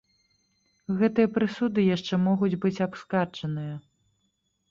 Гэтыя прысуды яшчэ могуць быць абскарджаныя.